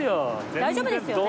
大丈夫ですよね。